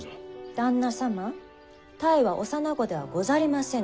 旦那様泰は幼子ではござりませぬ。